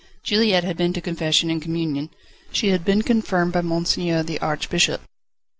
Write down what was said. Juliette had been to confession and communion. She had been confirmed by Monseigneur, the Archbishop.